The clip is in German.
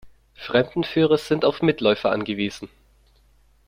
Fremdenführer sind auf Mitläufer angewiesen.